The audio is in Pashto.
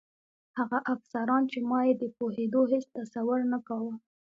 هغه افسران چې ما یې د پوهېدو هېڅ تصور نه کاوه.